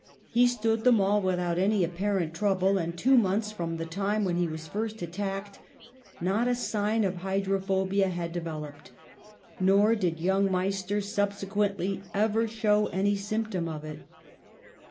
He stood them all without any apparent trouble, and two months from the time that he was first attacked not a sign of hydrophobia had developed. Nor did young Meister subsequently ever show any symptom of it.